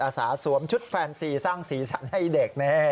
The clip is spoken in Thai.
อาสาสวมชุดแฟนซีสร้างสีสันในเด็กเนี่ย